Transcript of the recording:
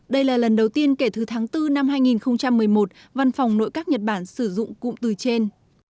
đây là lần đầu tiên kể từ tháng bốn năm hai nghìn một mươi một văn phòng nội các nhật bản sử dụng cụm từ trên